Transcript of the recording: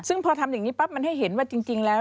ซึ่งพอทำอย่างนี้ปั๊บมันให้เห็นว่าจริงแล้ว